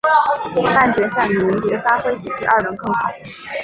半决赛李云迪的发挥比第二轮更好。